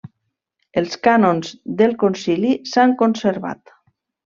Els cànons del concili s'han conservat.